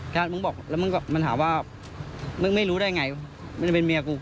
แล้วมันถามว่ามึงไม่รู้ได้ยังไงมันเป็นเมียกู